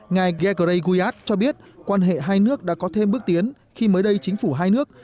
ngài gekrey guit cho biết quan hệ hai nước đã có thêm bước tiến khi mới đây chính phủ hai nước